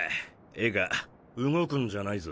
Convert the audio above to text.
いいか動くんじゃないぞ。